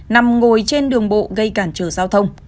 nằm ngồi trên đường bộ gây cản trở giao thông